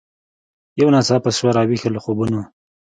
یو ناڅاپه سوه را ویښه له خوبونو